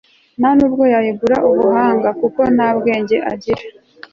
nta n'ubwo yayigura ubuhanga, kuko nta bwenge agira